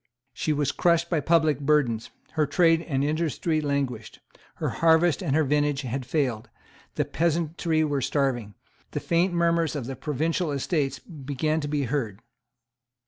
She was crushed by public burdens. Her trade and industry languished. Her harvest and her vintage had failed. The peasantry were starving. The faint murmurs of the provincial Estates began to be heard.